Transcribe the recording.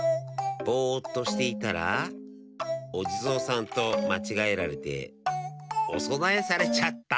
ぼっとしていたらおじぞうさんとまちがえられておそなえされちゃった。